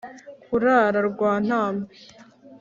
kurara rwantambi